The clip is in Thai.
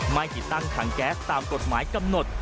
ไม่ติดตั้งถังแก๊สตามกฎหมายกำหนด